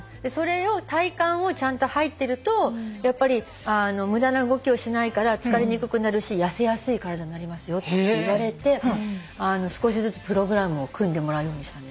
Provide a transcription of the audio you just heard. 体幹ちゃんと入ってるとやっぱり無駄な動きをしないから疲れにくくなるし痩せやすい体になりますよって言われて少しずつプログラムを組んでもらうようにしたんですよ。